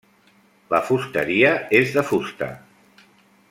La fusteria és de fusta.